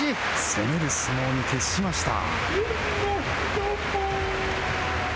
攻める相撲に撤しました。